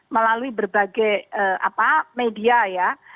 melalui berbagai media ya